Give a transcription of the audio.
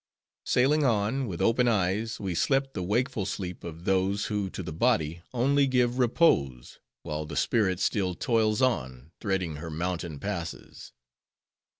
Sailing on, with open eyes, we slept the wakeful sleep of those, who to the body only give repose, while the spirit still toils on, threading her mountain passes.